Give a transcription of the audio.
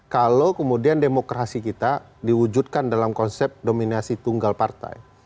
kalau kemudian demokrasi kita diwujudkan dalam konsep dominasi tunggal partai